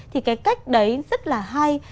thì cái cách đấy rất là hay